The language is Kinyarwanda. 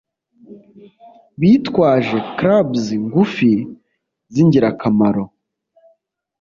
bitwaje clubs ngufi, zingirakamaro